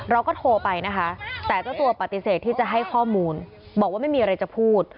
เราก็โทรไปนะคะแต่เจ้าตัวปฏิเสธที่จะให้ข้อมูลบอกว่าไม่มีอะไรจะพูด